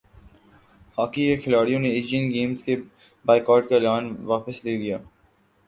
hockey کےکھلاڑیوں نے Asian Games کے بائیکاٹ کا اعلان واپس لے لیا